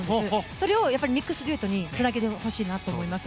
それをミックスデュエットにつなげてほしいなと思います。